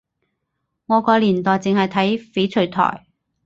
我個年代淨係睇翡翠台